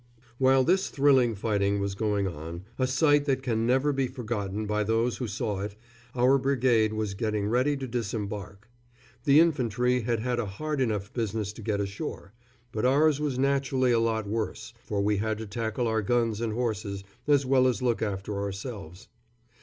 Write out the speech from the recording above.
While this thrilling fighting was going on, a sight that can never be forgotten by those who saw it, our brigade was getting ready to disembark. The infantry had had a hard enough business to get ashore; but ours was naturally a lot worse, for we had to tackle our guns and horses, as well as look after ourselves.